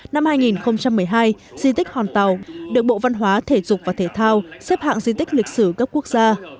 năm hai nghìn một mươi hai di tích hòn tàu được bộ văn hóa thể dục và thể thao xếp hạng di tích lịch sử cấp quốc gia